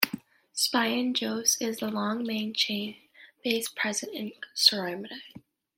Sphingosine is the main long-chain base present in ceramide.